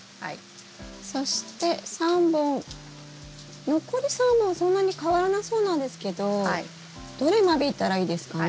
そして３本残り３本そんなに変わらなそうなんですけどどれ間引いたらいいですかね？